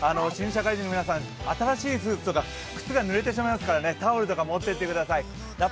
新社会人の皆さん、新しい服とか靴が濡れてしまいますからね、タオルとか持っていってください。